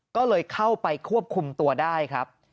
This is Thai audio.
ก็เลยเข้าไปควบคุมตัวได้ครับ